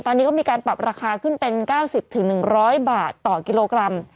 ตอนนี้ก็มีการปรับราคาขึ้นเป็น๙๐๑๐๐บาทต่อกิโลกรัม